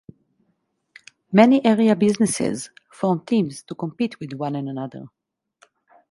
Many area businesses formed teams to compete with one and another.